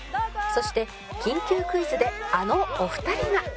そして緊急クイズであのお二人が！